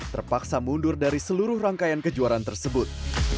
terpaksa mundur dari seluruh rangkaian kejuaraan tersebut